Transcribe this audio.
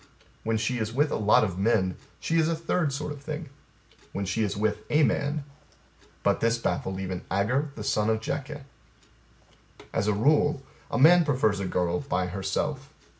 When she is with a lot of men, she is a third sort of thing. When she is with a man. .. But this baffled even Agur the son of Jakeh. As a rule, a man prefers a girl by herself.